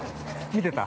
◆見てた？